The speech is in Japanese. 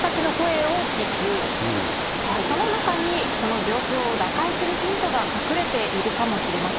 その中にこの状況を打開するヒントが隠れているかもということです。